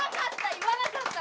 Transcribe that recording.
言わなかった！